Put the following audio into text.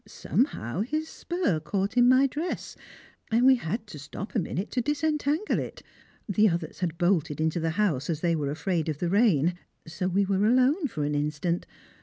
Somehow his spur caught in my dress, and we had to stop a minute to disentangle it, the others had bolted into the house, as they were afraid of the rain, so we were alone for an instant.